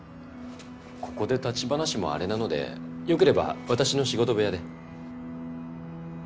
ここで立ち話もあれなのでよければ私の仕事部屋で。